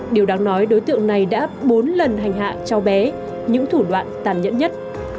điều đáng nói đối tượng này đã bốn lần hành hạ cháu bé những thủ đoạn tàn nhẫn nhất